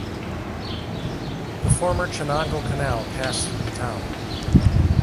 The former Chenango Canal passed through the town.